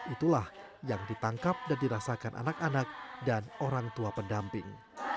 itulah yang ditangkap dan dirasakan anak anak dan orang tua pendamping